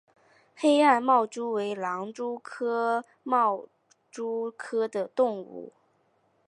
黑暗豹蛛为狼蛛科豹蛛属的动物。